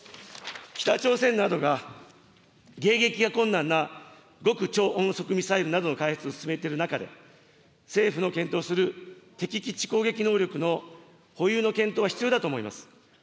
北朝鮮などが迎撃が困難な極超音速ミサイルなどの開発を進めている中で、政府の検討する敵基地攻撃能力の保有の検討は必要だと思います。